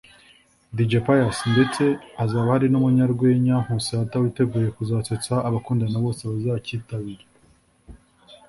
Dj Pius ndetse hazaba hari n’umunyarwenya Nkusi Arthur witeguye kuzasetsa abakundana bose bazakitabira